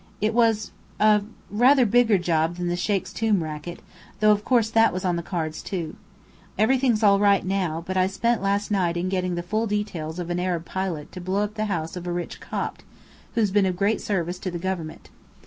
It was a rather bigger job than the sheikh's tomb racket, though of course that was on the cards, too. Everything's all right now; but I spent last night in getting the full details of an Arab plot to blow up the house of a rich Copt, who's been of great service to the Government.